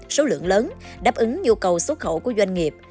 số lượng lớn đáp ứng nhu cầu xuất khẩu của doanh nghiệp